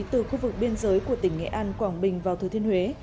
từ khu vực biên giới của tỉnh nghệ an quảng bình vào thứ tuyên huế